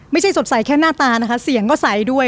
สดใสแค่หน้าตานะคะเสียงก็ใสด้วย